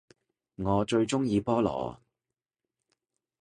我最鍾意菠蘿